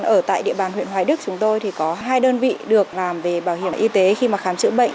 ở tại địa bàn huyện hoài đức chúng tôi thì có hai đơn vị được làm về bảo hiểm y tế khi mà khám chữa bệnh